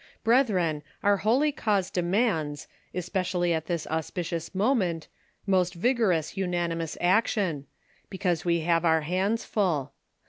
Brethren, our holy cause demands, especially at this auspicious moment, most vigorous unanimous action ; because we have our hands full.